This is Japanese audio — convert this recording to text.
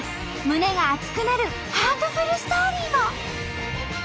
胸が熱くなるハートフルストーリーも。